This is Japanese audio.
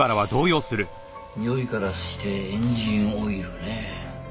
においからしてエンジンオイルね。